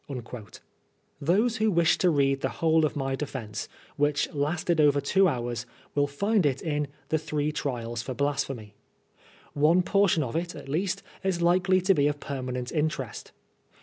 ^* Those who wish to read the whole of my defence, which lasted over two hours, will find it in the " Three Trials for Blasphemy." One portion of it, at least, is likely to be of permanent interest.